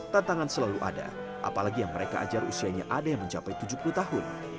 tantangan selalu ada apalagi yang mereka ajar usianya ada yang mencapai tujuh puluh tahun